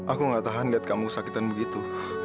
aku gak tahan liat kamu kesakitan begitu